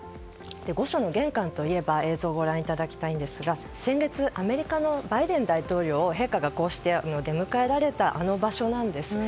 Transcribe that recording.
御所の玄関といえば映像をご覧いただきたいですが先月アメリカのバイデン大統領を陛下がこうして出迎えられたあの場所なんです。